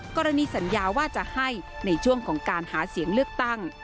กรณีสัญญาว่าจะให้ในช่วงของการหาเสียงเลือกตั้ง